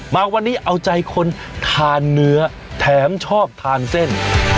มาวันนี้เอาใจคนทานเนื้อแถมชอบทานเส้น